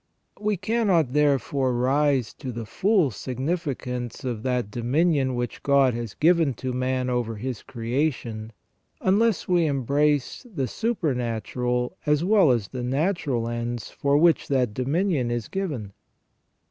We cannot, therefore, rise to the full significance of that dominion which God has given to man over His creation, unless we embrace the super natural as well as the natural ends for which that dominion is given.